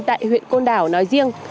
tại huyện côn đảo nói riêng